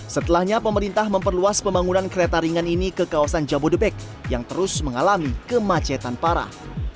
setelahnya pemerintah memperluas pembangunan kereta ringan ini ke kawasan jabodebek yang terus mengalami kemacetan parah